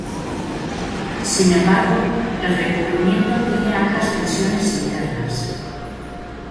Sin embargo, el recubrimiento tiene altas tensiones internas.